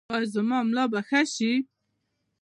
ایا زما ملا به ښه شي؟